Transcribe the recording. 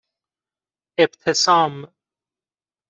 اِبتسام